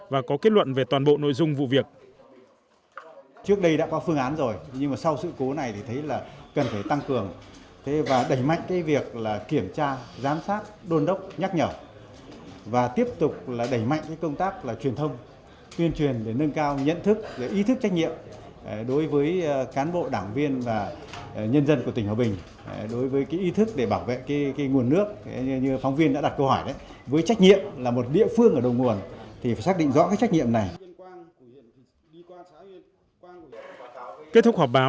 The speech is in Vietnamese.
và có kết luận về toàn bộ nội dung vụ việc